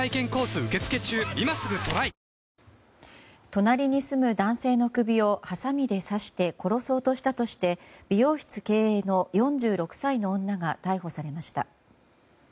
隣に住む男性の首をはさみで刺して殺そうとしたとして美容室経営の４６歳の女が逮捕されました。